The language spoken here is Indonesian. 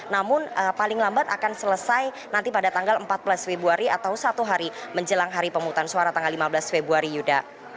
namun paling lambat akan selesai nanti pada tanggal empat belas februari atau satu hari menjelang hari pemutusan suara tanggal lima belas februari yuda